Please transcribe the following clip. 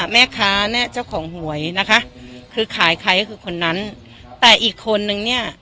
แม่ค้าเนี่ยเจ้าของหวยนะคะคือขายใครก็คือคนนั้นแต่อีกคนนึงเนี่ย